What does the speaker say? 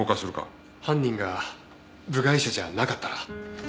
犯人が部外者じゃなかったら？